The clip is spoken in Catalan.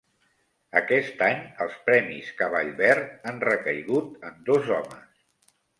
Aquest any els premis Cavall Verd han recaigut en dos homes